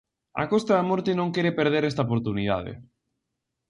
A Costa da Morte non quere perder esta oportunidade.